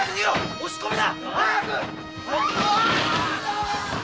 押し込みだ！